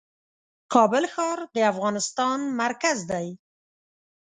کابل ښار د افغانستان مرکز دی .